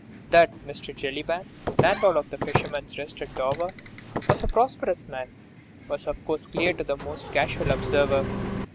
That Mr. Jellyband, landlord of "The Fisherman's Rest" at Dover, was a prosperous man, was of course clear to the most casual observer.